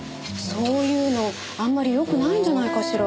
そういうのあんまりよくないんじゃないかしら。